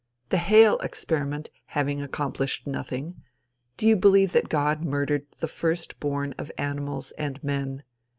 The hail experiment having accomplished nothing, do you believe that God murdered the first born of animals and men?